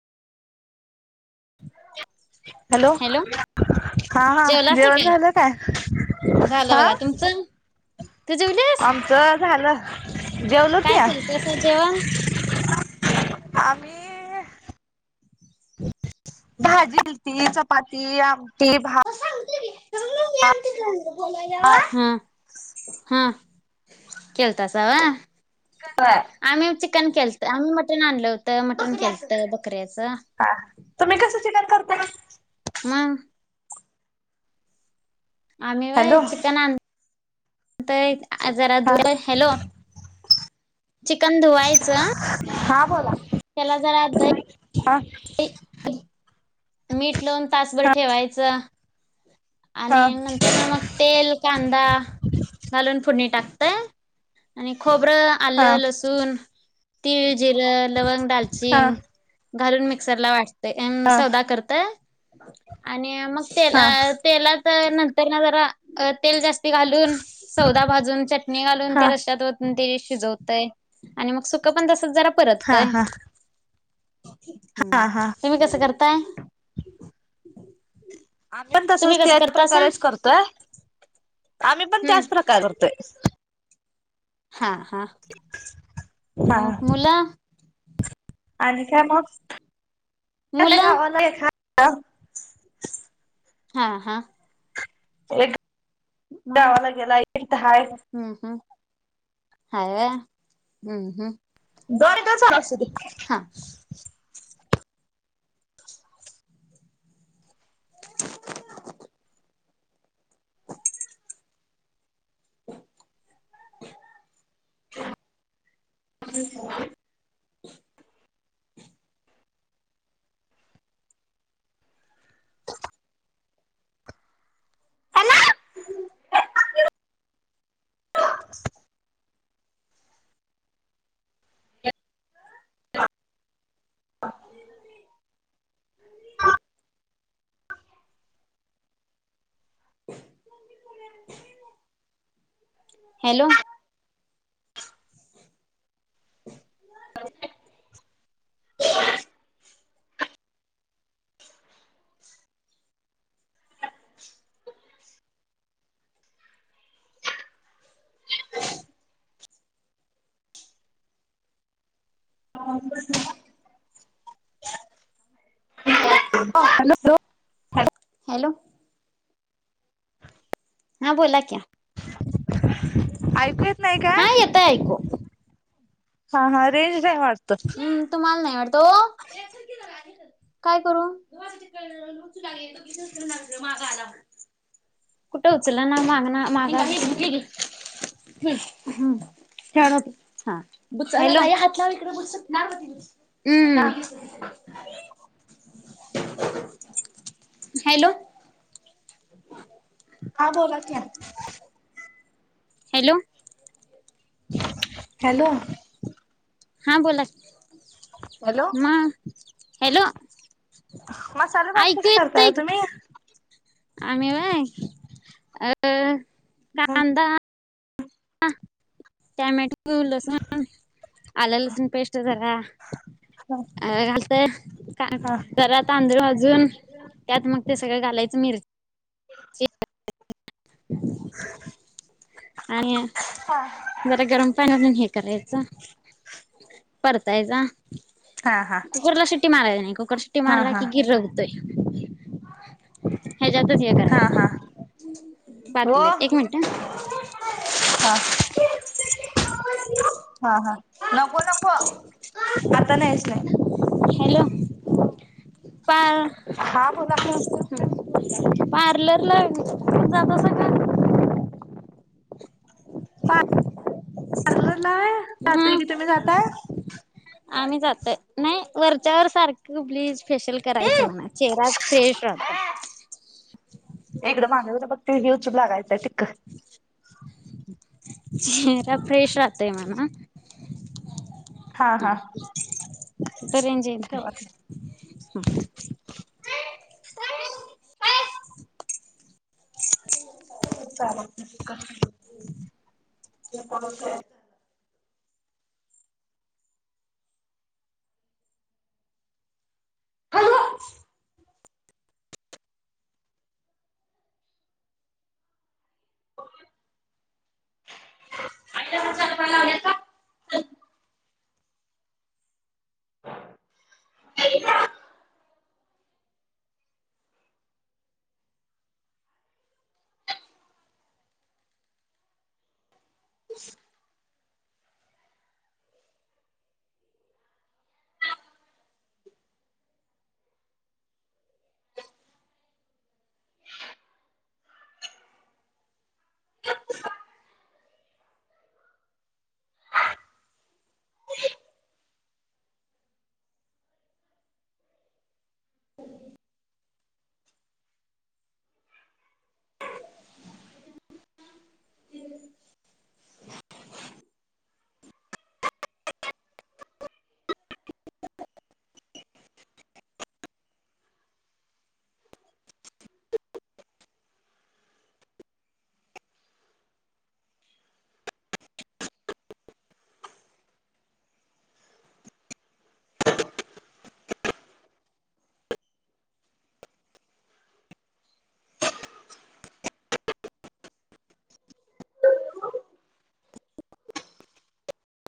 Hello. हां हां जेवण झालं काय? झालं बघा हं तुमचं तू जेवलीस आमचं झालं. जेवलो की. [inaudible] काय केलतस जेवण आम्ही भाजी केलती चपाती आम [unintelligible] ह हा केळतासा व्हय आमही ह च कन केलतं आम्ही मटन आणलं होतं मटन केलतं बकऱ्याच हा तुम्ही कस चिकन करता [inaudible] मग आम्ही वय हॅलो चिकन आण - - त एक जरा हा हॅलो चिकन धुवायचं हा बोला त्याला जरा धई हा [unintelligible] मीठ लावून तासभर ठेवायचं हा आणि नंतर मग तेल कांदा घालून फुडणी टाक [unintelligible] आणि खोबरं हा आलं लसून तीळ जिरं लवंग हा दालचिंग घालून मिक्सर ला वाटते ते एम हा सवदा -आणि मग हा तेला तेलात [unintelligible] जरा तेल जास्त घालून सौदा भाजून चटणी घालून त्या हा रशतत शिजत आणि मग सु पण जरा हा परततय हा हा हम्म हा तुम्ही कसं करताय आम्ही पण तुम्ही तसच कसं त्याच करतासा? प्रकारेच करतोय आम्ही पण हम्म त्याच प्रकार करतोय हा हा मग मुलं आणिज काय मघ मुलं य खा ह हा हा अ मग गावाला गेला एकहाय हम्म हम्म हाय व्हय, हम्म हम्म [unintelligible] हा [inaudible] [inaudible] [inaudible] हॅला [unintelligible] [inaudible] [inaudible] हॅलो [inaudible] [inaudible] हॅलो हॅलो हॅलो हा बोला क्या. ऐकू येत नाही काय? हा हा रेंज नाही वाटत हम्म तुम्हाला नाही वाटत, ओ. काय करू [unintelligible] कुठं उचल ना मागण माग [unintelligible] हॅलो. हम्म हा हॅलो [inaudible] हा बोला की आता. हॅलो हॅलो हा बोला. हॅलो म, हॅलो मसाले भात ऐकू कशी करताय येतय ओ तुम्ही? आम्ही व्हय, अ हा कांदा टॅमॅटो लसूण, आलं लसूण पेस्ट जरा, घाल ते का हा जरा तांदळू भाजून त्यात मग ते सगळं घालायचं. मिरची घा आणि हा. जरा गरम पाणी घालून हे करायच, परतायचा. हा हा. ट्टी मारायची आणि शिट्टी हा हा मारलाकी गिर होतय. [inaudible] ह्याच्यातच हे हा करायचं, हा हो पातील्यात एक मिनट ह. हा हा हा नको नको. आता न्हायच नाही. हॅलो पार हा बोला. ठ पार्लर ला जातासा का? पार्लर ला व्हय? जातोय हा की. तुम्ही जाताय? आम्ही जातय नाही वरच्यावर सारख त ब्लीज फेशल करायचं म्हणा, चेहरा फ्रेश राहतो. इकडं मागवलं बघ ते हे उचलू लागायचं हाय टिक्क. चेहरा फ्रेश राहतय म्हणा. हा अ. हा इथ रेंज येत नाही. हम्म. [unintelligible] हॅलो [unintelligible] ह हम